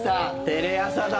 テレ朝だ！